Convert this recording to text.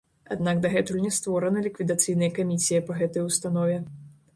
Аднак дагэтуль не створана ліквідацыйная камісія па гэтай установе.